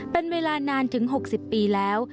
เป็นเวลานานถึง๖๐ปีแล้ว